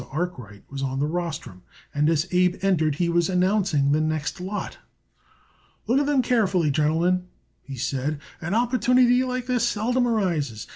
Arkwright was on the rostrum, and as Abe entered he was announcing the next lot. "Look at them carefully, gentlemen," he said. "An opportunity like this seldom arises.